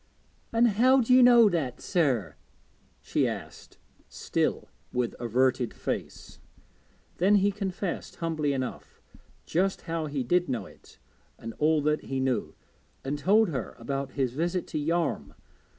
'And how do you know that, sir?' she asked, still with averted face. Then he confessed, humbly enough, just how he did know it, and all that he knew, and told her about his visit to Yarm.